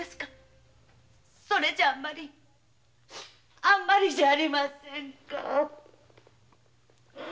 それじゃああんまりじゃありませんか。